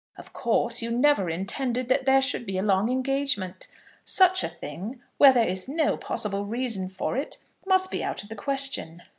Of course you never intended that there should be a long engagement. Such a thing, where there is no possible reason for it, must be out of the question.